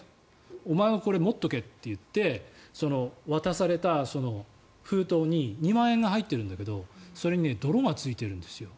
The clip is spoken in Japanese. お前が持っとけと言って渡された封筒に２万円が入ってるんだけどそれに泥がついてるんですよ。